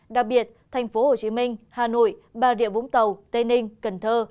đặc biệt thành phố hồ chí minh hà nội bà rịa vũng tàu tây ninh cần thơ